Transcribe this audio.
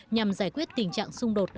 nhằm giải quyết tình trạng xung đột